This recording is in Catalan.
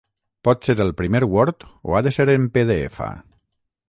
Pot ser el primer word o ha de ser en pe de efa?